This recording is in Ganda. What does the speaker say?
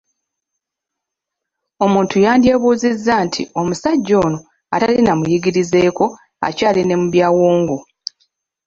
Omuntu yandyebuuzizza nti omusajja ono atali na muyigirizeeko akyali ne mu byawongo.